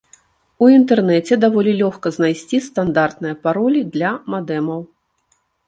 У інтэрнэце даволі лёгка знайсці стандартныя паролі для мадэмаў.